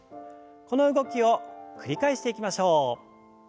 この動きを繰り返していきましょう。